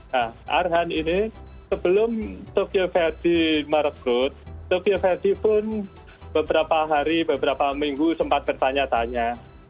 nah arhan ini sebelum tokio vetti merekrut tokio vetti pun beberapa hari beberapa minggu sempat bertanya tanya